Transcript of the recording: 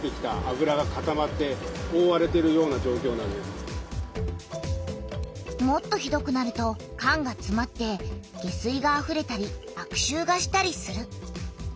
これはもっとひどくなると管がつまって下水があふれたりあくしゅうがしたりする。